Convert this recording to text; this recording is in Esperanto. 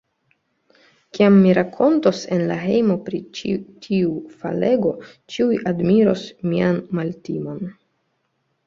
Kiam mi rakontos en la hejmo pri ĉi tiu falego, ĉiuj admiros mian maltimon.